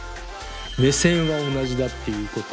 目線は同じだっていうこと。